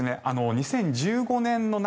２０１５年の夏